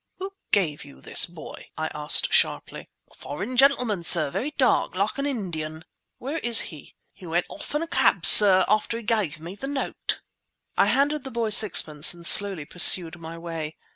"Who gave you this, boy?" I asked sharply. "A foreign gentleman, sir, very dark—like an Indian." "Where is he?" "He went off in a cab, sir, after he give me the note." I handed the boy sixpence and slowly pursued my way.